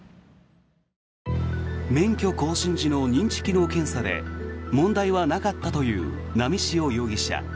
免許更新時の認知機能検査で問題はなかったという波汐容疑者。